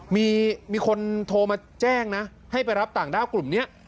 มีคนโทรมาแจ้งนะให้ไปรับต่างด้าวกลุ่มนี้